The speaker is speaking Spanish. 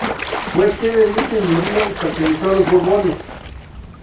Fue sede de un señorío y perteneció a los Borbones.